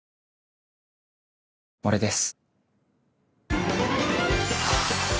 俺です